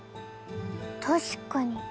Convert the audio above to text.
確かに。